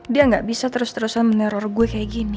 dia gak bisa terus terusan meneror gue kayak gini